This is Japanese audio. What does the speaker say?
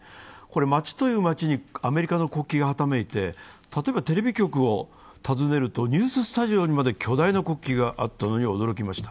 街という街にアメリカの国旗がはためいて、例えばテレビ局を訪ねるとニューススタジオにまで巨大な国旗があったのに驚きました。